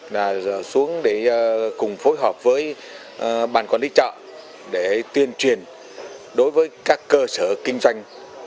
là xuống để cùng phối hợp với ban quản lý chợ để tuyên truyền đối với các cơ sở kinh doanh